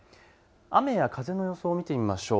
雨や風の予想を見てみましょう。